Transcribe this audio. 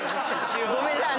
ごめんなさい。